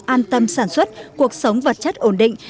an tâm sản xuất cuộc sống vật chất ổn định